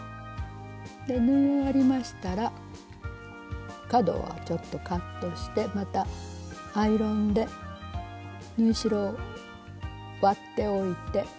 縫い終わりましたら角はちょっとカットしてまたアイロンで縫い代を割っておいて。